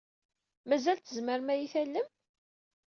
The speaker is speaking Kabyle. Mazal tzemrem ad iyi-tallem?